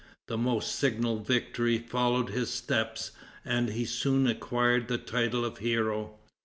The most signal victory followed his steps, and he soon acquired the title of hero.